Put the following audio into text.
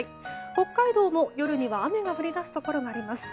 北海道も夜には雨が降り出すところがあります。